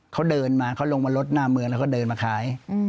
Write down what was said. เขาเดินมาเขาลงมารถหน้าเมืองแล้วก็เดินมาขาย